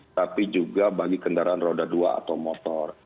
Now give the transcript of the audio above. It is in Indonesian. tapi juga bagi kendaraan roda dua atau motor